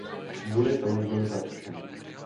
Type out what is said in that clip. Kvůli tomu byl zatčen.